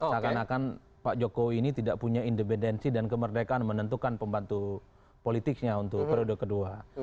seakan akan pak jokowi ini tidak punya independensi dan kemerdekaan menentukan pembantu politiknya untuk periode kedua